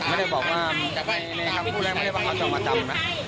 ไม่ได้บอกว่าในคำพูดแล้วไม่ได้ว่าเขาจะมาจำนะ